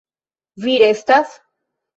Vi restas?